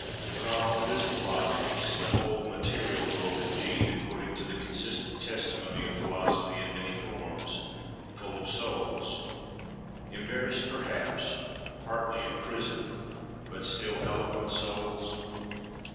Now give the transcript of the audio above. Were not all visible objects—the whole material world indeed, according to the consistent testimony of philosophy in many forms—"full of souls"? embarrassed perhaps, partly imprisoned, but still eloquent souls?